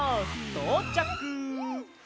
とうちゃく。